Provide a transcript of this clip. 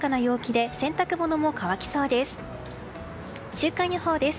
週間予報です。